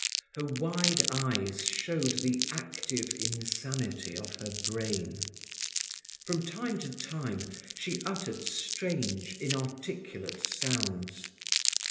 Her wide eyes showed the active insanity of her brain. From time to time she uttered strange, inarticulate sounds.